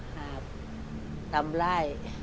หาบทำไร